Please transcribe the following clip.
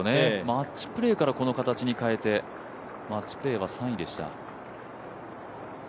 マッチプレーからこの形に変えて、マッチプレーは３位でした。